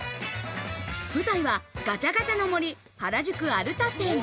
舞台は、ガチャガチャの森原宿アルタ店。